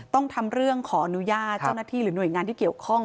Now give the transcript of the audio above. ต้องทำเรื่องขออนุญาตเจ้าหน้าที่หรือหน่วยงานที่เกี่ยวข้อง